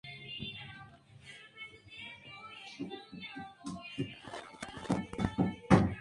En el ataque a Isengard tomaría un papel importante, casi capturando a Saruman.